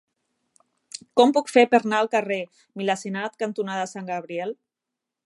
Com ho puc fer per anar al carrer Milanesat cantonada Sant Gabriel?